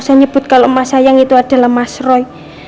saya nyebut kalau mas sayang itu adalah mas roy